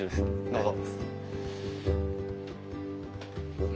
どうぞ。